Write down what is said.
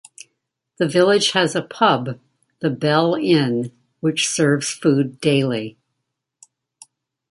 The village has a pub, The Bell Inn, which serves food daily.